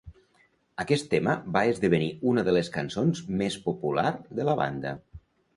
Aquest tema va esdevenir una de les cançons més popular de la banda.